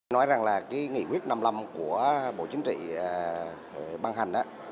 nói rằng là cái nghị quyết năm lâm của bộ chính trị băng hành